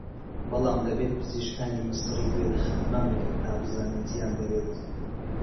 بەڵام دەبێت پزیشکانی میسری گوێ لە خانمان بگرن تا بزانن چییان دەوێت